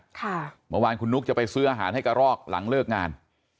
เมื่อวานคุณนุ๊กจะไปซื้ออาหารให้กระรอกหลังเลิกงาน